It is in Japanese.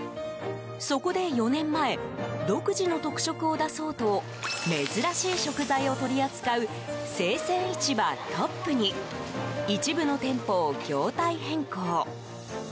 そこで４年前独自の特色を出そうと珍しい食材を取り扱う生鮮市場ＴＯＰ！に一部の店舗を業態変更。